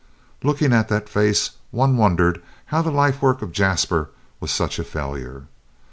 Looking at that face one wondered how the life work of Jasper was such a failure.